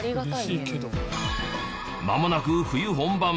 まもなく冬本番。